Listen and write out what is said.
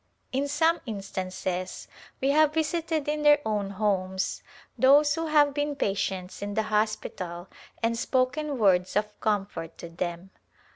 In some instances we have visited in their own homes those who have been patients in the hospital and spoken words of comfort to them.